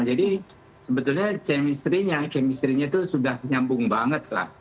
jadi sebetulnya chemistry nya itu sudah nyambung banget lah